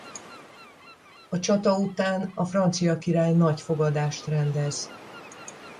A csata után a francia király nagy fogadást rendez.